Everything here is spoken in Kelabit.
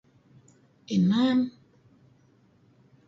inan.